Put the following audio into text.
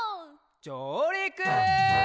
じょうりく！